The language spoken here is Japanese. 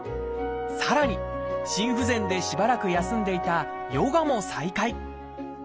さらに心不全でしばらく休んでいたヨガも再開。